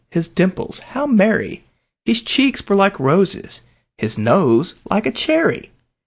his dimples how merry! His cheeks were like roses, his nose like a cherry!